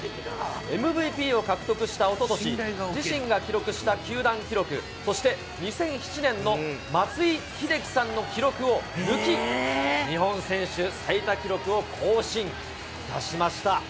ＭＶＰを獲得したおととし、自身が記録した球団記録、そして２００７年の松井秀喜さんの記録を抜き、日本選手最多記録を更新いたしました。